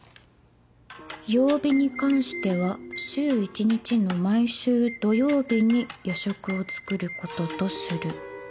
「曜日に関しては週１日の毎週土曜日に夜食を作る事とする」